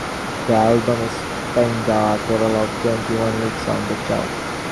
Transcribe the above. The album spent a total of twenty-one weeks on the chart.